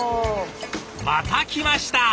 また来ました！